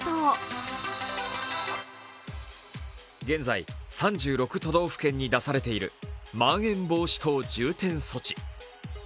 現在、３６都道府県に出されているまん延防止等重点措置。